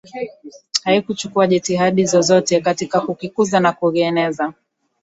haikuchukua jitihada zozote katika kukikuza na kukieneza